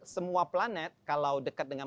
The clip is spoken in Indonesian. semua planet kalau dekat dengan